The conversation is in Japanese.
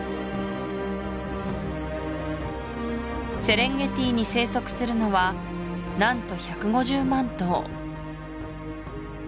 セレンゲティに生息するのは何と１５０万頭